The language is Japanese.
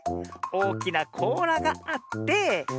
おおきなこうらがあって。